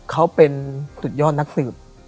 เขาเป็นสุดยอดนักสืบ